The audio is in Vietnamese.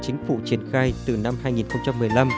chính phủ triển khai từ năm hai nghìn một mươi năm